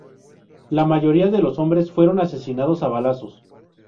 La mayoría de los hombres fueron asesinados a balazos.